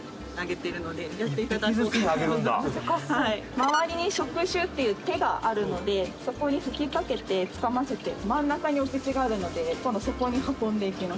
周りに触手っていう手があるのでそこに吹きかけてつかませて真ん中にお口があるので今度そこに運んでいきます。